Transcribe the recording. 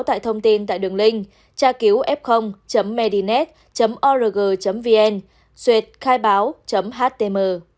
tại thông tin tại đường linh trakiuf medinet org vn xuyệt khai báo htm